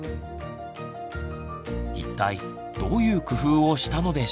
一体どういう工夫をしたのでしょうか？